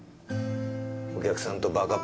お客さんとバカっ